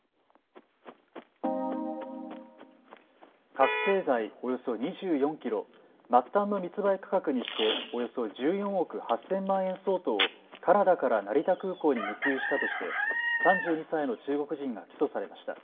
覚醒剤およそ２４キロ、末端の密売価格にしておよそ１４億８０００万円相当をカナダから成田空港に密輸したとして３２歳の中国人が起訴されました。